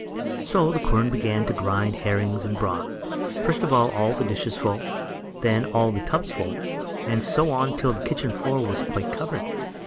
So the quern began to grind herrings and broth; first of all, all the dishes full, then all the tubs full, and so on till the kitchen floor was quite covered.